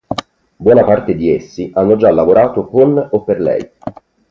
Buona parte di essi, hanno già lavorato con o per lei.